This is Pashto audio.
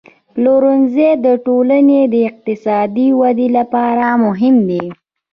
پلورنځی د ټولنې د اقتصادي ودې لپاره مهم دی.